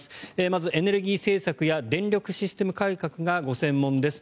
まず、エネルギー政策や電力システム改革がご専門です。